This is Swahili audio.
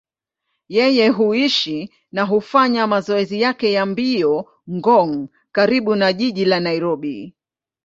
Yeye huishi na hufanya mazoezi yake ya mbio Ngong, karibu na jiji la Nairobi.